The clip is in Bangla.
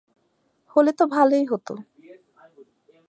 হলে তো ভালোই হতো।